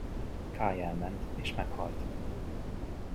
Kay elment és meghalt!